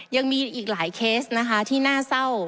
ยังมีอีกหลายเคสนะคะที่น่าเศร้า